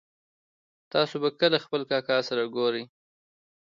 تاسو به کله خپل کاکا سره ګورئ